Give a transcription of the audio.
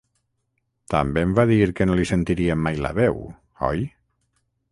També em va dir que no li sentiríem mai la veu, oi?